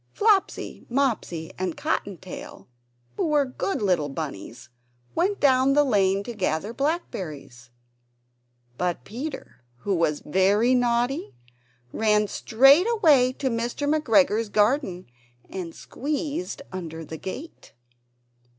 Flopsy, Mopsy, and Cotton tail, who were good little bunnies, went down the lane to gather blackberries. But Peter, who was very naughty, ran straight away to Mr. McGregor's garden, and squeezed under the gate!